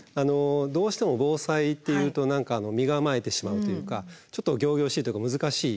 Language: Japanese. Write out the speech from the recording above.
どうしても防災っていうと何か身構えてしまうというかちょっと仰々しいというか難しい。